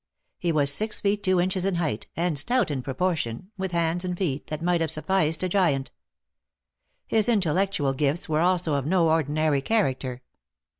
He was six feet two inches in height, and stout in proportion, with hands and feet that might have sufficed a giant. His intellectual gifts were also of no ordinary character.